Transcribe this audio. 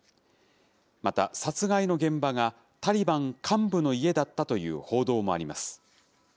また、殺害の現場が、タリバン幹部の家だったという報道もあります。